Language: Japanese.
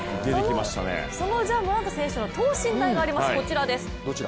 そのジャ・モラント選手の等身大がございます。